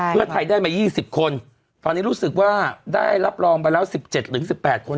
เพื่อไทยได้มา๒๐คนตอนนี้รู้สึกว่าได้รับรองไปแล้ว๑๗๑๘คน